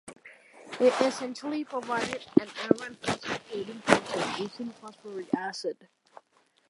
It essentially provided an iron phosphating process, using phosphoric acid.